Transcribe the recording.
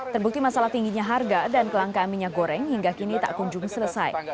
terbukti masalah tingginya harga dan kelangkaan minyak goreng hingga kini tak kunjung selesai